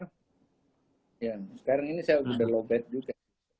sekarang ini saya sudah lowbat juga